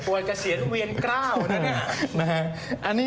ปวดเกษียณเวียนกร้าวนะนี่